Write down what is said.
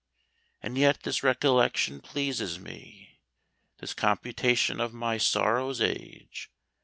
And yet this recollection pleases me, This computation of my sorrow's age.